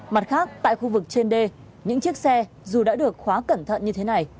mặt khác tại khu vực trên đê những chiếc xe dù đã được khóa cẩn thận như thế này